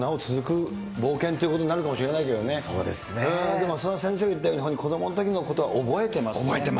でも先生言ったように子どものときのことは覚えてますもんね。